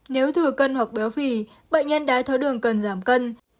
nếu thừa cân hoặc béo phì bệnh nhân đái tháo đường cần giảm cân